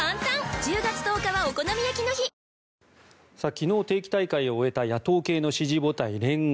昨日、定期大会を終えた野党系の支持母体、連合。